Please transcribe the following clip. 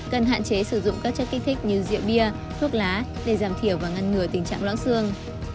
cần hạn chế sử dụng các chất kích thích như rượu bia thuốc lá để giảm thiểu và ngăn ngừa tình trạng loãng xương